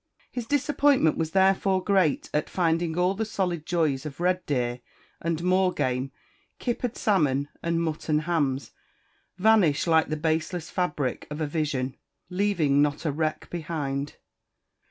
His disappointment was therefore great at finding all the solid joys of red deer and moor game, kippered salmon and mutton hams, "vanish like the baseless fabric of a vision," leaving not a wreck behind.